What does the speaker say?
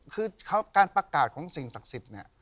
คือการประกาศของสิ่งศักดิ์สิทธิ์เนี่ย